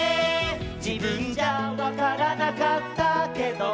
「じぶんじゃわからなかったけど」